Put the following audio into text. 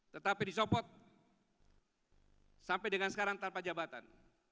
tetapi disopot sampai dengan sekarang tanpa jabatan